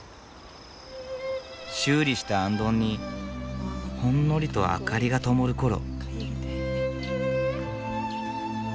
修理したあんどんにほんのりと明かりがともる頃。